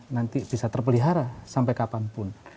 nanti bisa terpelihara sampai kapanpun